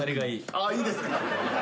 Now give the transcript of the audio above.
あっいいですか？